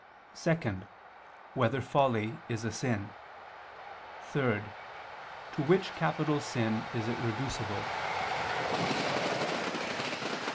(2) Whether folly is a sin? (3) To which capital sin is it reducible?